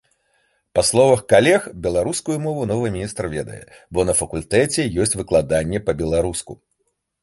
Па словах калег, беларускую мову новы міністр ведае, бо на факультэце ёсць выкладанне па-беларуску.